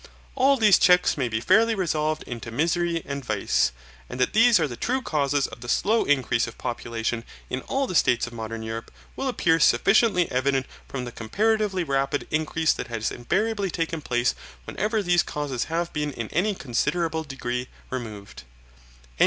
All these checks may be fairly resolved into misery and vice. And that these are the true causes of the slow increase of population in all the states of modern Europe, will appear sufficiently evident from the comparatively rapid increase that has invariably taken place whenever these causes have been in any considerable degree removed.